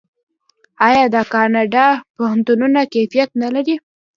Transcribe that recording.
آیا د کاناډا پوهنتونونه کیفیت نلري؟